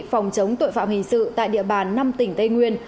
phòng chống tội phạm hình sự tại địa bàn năm tỉnh tây nguyên